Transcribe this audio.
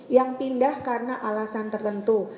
yang pindah karena alasan tertentu